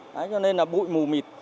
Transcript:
đấy cho nên là bụi mù mịt